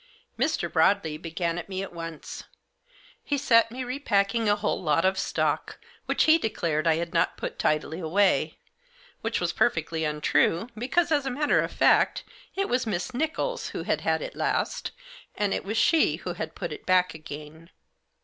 Mr. Broadley began at me at once. He set me re packing a whole lot of stock, which he declared I had not put tidily away ; which was perfectly untrue, because, as a matter of fact, it was Miss Nichols who had had it last, and it was she who had put it back again.